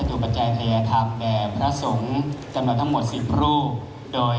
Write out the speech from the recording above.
ถือว่าชีวิตที่ผ่านมายังมีความเสียหายแก่ตนและผู้อื่น